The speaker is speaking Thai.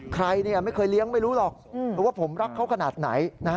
ใครไม่เคยเลี้ยงไม่รู้หรอกว่าผมรักเขาขนาดไหน